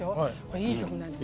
いい曲なのよ。